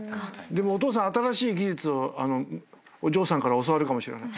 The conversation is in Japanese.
でもお父さん新しい技術をお嬢さんから教わるかもしれない。